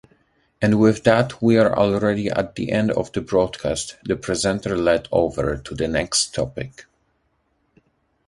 And with that we are already at the end of the broadcast, the presenter led over to the next topic.